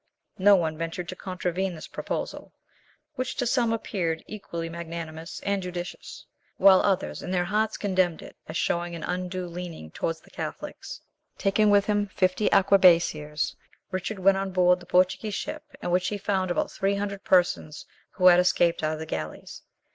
No one ventured to contravene this proposal, which to some appeared equally magnanimous and judicious, while others in their hearts condemned it as showing an undue leaning towards the Catholics. Taking with him fifty arquebusiers Richard went on hoard the Portuguese ship, in which he found about three hundred persons, who had escaped out of the galleys.